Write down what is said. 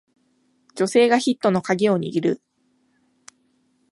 女性がヒットのカギを握る